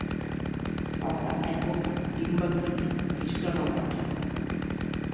পাতা একক, ডিম্বাকৃতি, কিছুটা লম্বাটে।